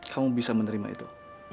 kamu bisa menerima itu